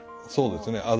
そうですね。